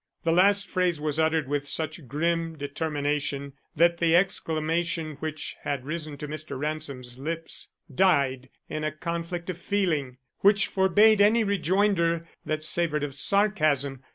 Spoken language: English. The last phrase was uttered with such grim determination that the exclamation which had risen to Mr. Ransom's lips died in a conflict of feeling which forbade any rejoinder that savored of sarcasm.